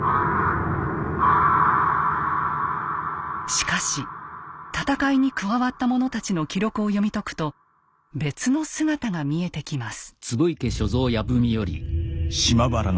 しかし戦いに加わった者たちの記録を読み解くと別の姿が見えてきます。